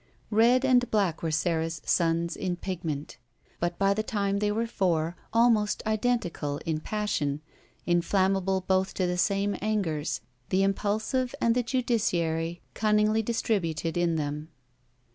Red and black were Sara's sons in pigment. But by the time they were four, almost identical in passion, inflammable both to the same angers, the impulsive and the judiciary cunningly distributed in them.